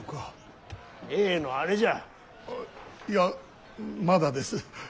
・例のあれじゃ。いやまだです。